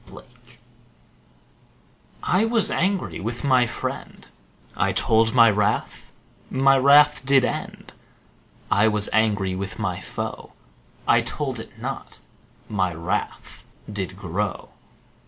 0 Autoplay I was angry with my friend: I told my wrath, my wrath did end. I was angry with my foe: I told it not, my wrath did grow.